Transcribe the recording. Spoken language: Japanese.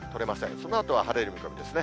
そのあとは晴れる見込みですね。